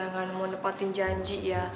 jangan mau nepatin janji ya